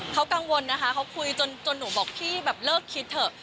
เขากังวลนะคะเขาคุยจนหนูบอกพี่แบบเลิกคิดเถอะ